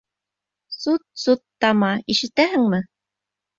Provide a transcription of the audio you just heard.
Сут-сут, тама, ишетәһеңме?